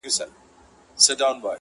شاعر نه یم زما احساس شاعرانه دی,